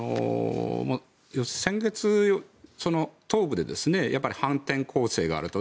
先月、東部で反転攻勢があると。